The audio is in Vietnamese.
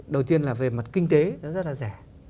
đầu tiên là về mặt kinh tế nó rất là rẻ